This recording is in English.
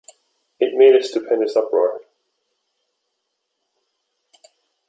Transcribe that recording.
It made a stupendous uproar.